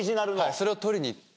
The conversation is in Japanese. それを取りに行って。